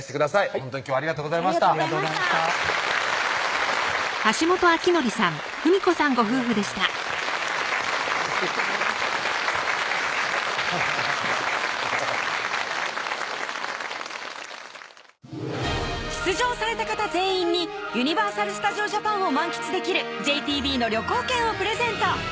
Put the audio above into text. ほんとに今日はありがとうございましたありがとうございました出場された方全員にユニバーサル・スタジオ・ジャパンを満喫できるＪＴＢの旅行券をプレゼント